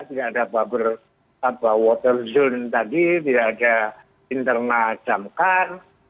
tidak ada buffer zone tadi tidak ada internal jamkar